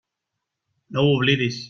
No ho oblidis.